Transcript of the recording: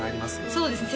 そうですね